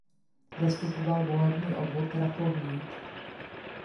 Zastupoval volební obvod Rakovník.